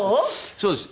そうです。